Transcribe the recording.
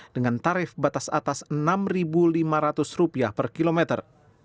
dengan tarif batas atas rp enam lima ratus per kilometer